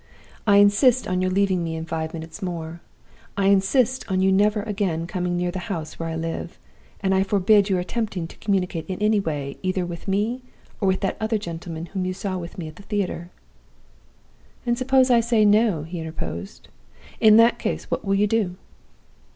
I insist on your leaving me in five minutes more. I insist on your never again coming near the house where I live; and I forbid your attempting to communicate in any way either with me or with that other gentleman whom you saw with me at the theater ' "'And suppose I say no?' he interposed. 'In that case, what will you do?